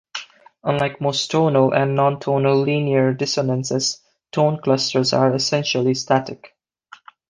Unlike most tonal and non-tonal linear dissonances, tone clusters are essentially static.